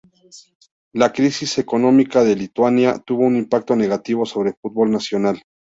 La crisis económica de Lituania tuvo un impacto negativo sobre el fútbol nacional.